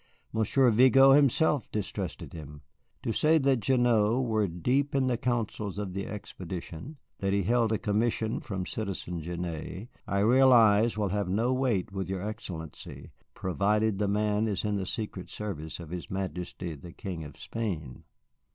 "Monsieur Vigo himself distrusted him. To say that Gignoux were deep in the councils of the expedition, that he held a commission from Citizen Genêt, I realize will have no weight with your Excellency, provided the man is in the secret service of his Majesty the King of Spain."